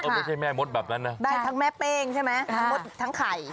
ไม่ใช่แม่มดแบบนั้นนะได้ทั้งแม่เป้งใช่ไหมทั้งมดทั้งไข่